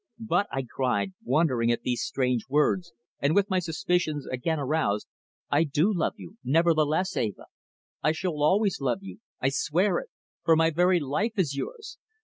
"But," I cried, wondering at these strange words, and with my suspicions again aroused, "I do love you, nevertheless, Eva. I shall always love you, I swear it, for my very life is yours."